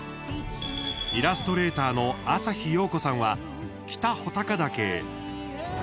イラストレーターの朝日陽子さんは北穂高岳へ。